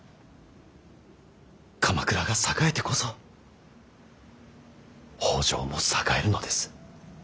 鎌倉が栄えてこそ北条も栄えるのです。